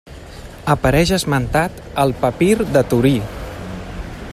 Apareix esmentat al Papir de Torí.